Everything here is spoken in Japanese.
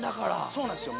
そうなんすよ。